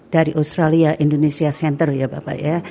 dari australia indonesia center ya bapak ya